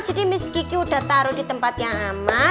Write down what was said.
jadi miss kiki udah taruh di tempat yang aman